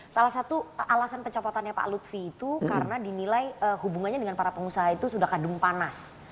salah satu alasan pencopotannya pak lutfi itu karena dinilai hubungannya dengan para pengusaha itu sudah kadung panas